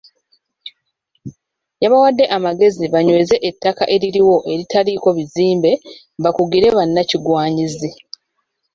Yabawadde amagezi banyweze ettaka eririwo eritaliiko bizimbe bakugire bannakigwanyizi.